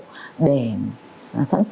để sẵn sàng lên đường nhận nhiệm vụ